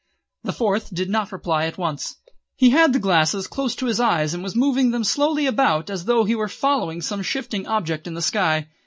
The Fourth did not reply at once. He had the glasses close to his eyes, and was moving them slowly about as though he were following some shifting object in the sky.